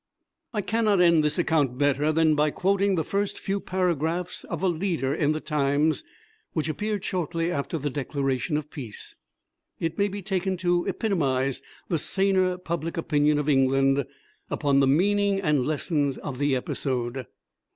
I cannot end this account better than by quoting the first few paragraphs of a leader in the Times, which appeared shortly after the declaration of peace. It may be taken to epitomize the saner public opinion of England upon the meaning and lessons of the episode.